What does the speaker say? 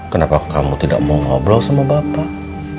kenapa kamu tidak mau ngobrol sama bapak